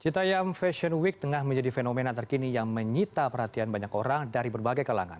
citayam fashion week tengah menjadi fenomena terkini yang menyita perhatian banyak orang dari berbagai kalangan